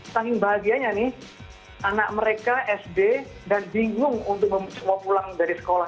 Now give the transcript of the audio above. saking bahagianya nih anak mereka sd dan bingung untuk mau pulang dari sekolah